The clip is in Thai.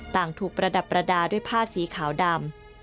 ถูกประดับประดาษด้วยผ้าสีขาวดำ